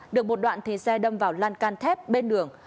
được một đoạn thì xe đâm vào lan can thép bên đường